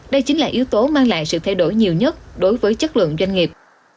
đây chính là yếu tố mang lại sự thay đổi nhiều nhất đối với chất lượng doanh nghiệp